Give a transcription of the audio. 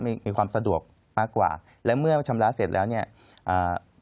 มีความสะดวกมากกว่าแล้วเมื่อชำระเสร็จแล้วเนี่ยอ่า